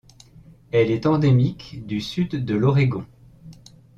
Elle est endémique du Sud de l'Oregon.